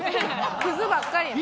クズばっかりやん。